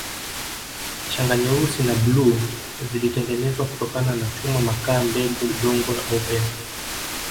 Shanga nyeusi na bluu zilitengenezwa kutokana na chuma makaa mbegu udongo au pembe